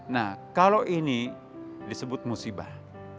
nah kalau ini disebut musibah